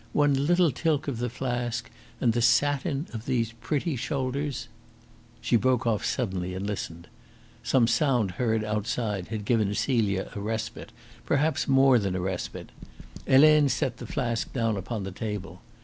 One little tilt of the flask and the satin of these pretty shoulders " She broke off suddenly and listened. Some sound heard outside had given Celia a respite, perhaps more than a respite. Helene set the flask down upon the table.